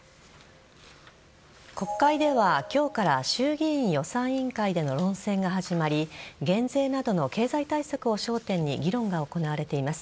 国会では今日から衆議院予算委員会での論戦が始まり減税などの経済対策を焦点に議論が行われています。